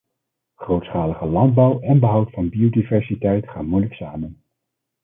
Grootschalige landbouw en behoud van biodiversiteit gaan moeilijk samen.